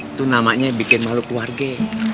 itu namanya bikin malu keluarga